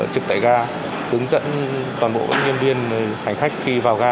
trực tại ga hướng dẫn toàn bộ nhân viên hành khách khi vào ga